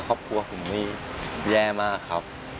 แต่ก็ยังรู้สึกเครียดกับเรื่องเหล่าที่เกิดขึ้น